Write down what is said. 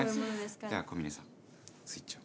じゃあ小峰さんスイッチを。